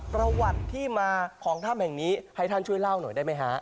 ประวัติที่มาของถ้ำแห่งนี้ให้ท่านช่วยเล่าหน่อยได้ไหมฮะ